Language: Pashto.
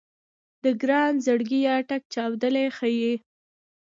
د ګران زړګيه ټک چاودلی ښه يې